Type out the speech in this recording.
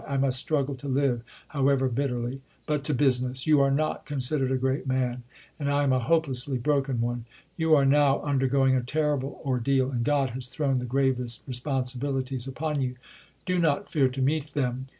I must struggle to live, however bitterly. But to business. You are not considered a great man, and I am a hopelessly broken one. You are now under going a terrible ordeal, and God has thrown the gravest responsibilities upon you. Do not fear to meet them.